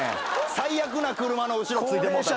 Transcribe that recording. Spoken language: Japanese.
最悪な車の後ろついてもうたこれ。